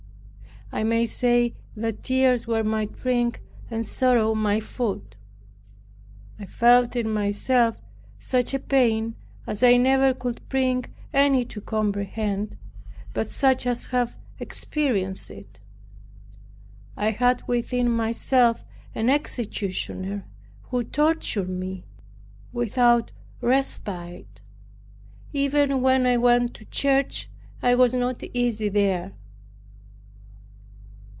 I may say that tears were my drink, and sorrow my food. I felt in myself such a pain as I never could bring any to comprehend, but such as have experienced it. I had within myself an executioner who tortured me without respite. Even when I went to church, I was not easy there.